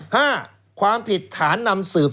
ความผิดฐานนำสืบ